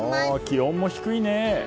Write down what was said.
気温も低いね。